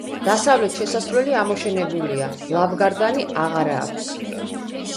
დასავლეთ შესასვლელი ამოშენებულია; ლავგარდანი აღარა აქვს.